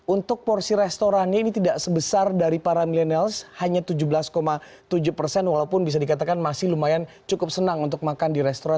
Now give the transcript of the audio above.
untuk porsi restorannya ini tidak sebesar dari para millennials hanya tujuh belas tujuh persen walaupun bisa dikatakan masih lumayan cukup senang untuk makan di restoran